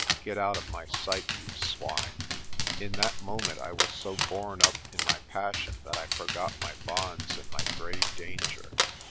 Get out of my sight, you swine." In that moment I was so borne up in my passion that I for got my bonds and my grave danger.